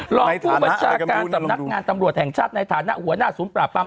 หล่อผู้ประชาการตำรวจแห่งชาติในฐานะหัวหน้าศูนย์ปลาปาม